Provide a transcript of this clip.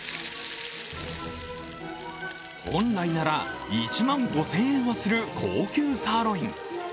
本来なら１万５０００円はする高級サーロイン。